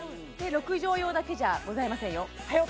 ６畳用だけじゃございませんよはよ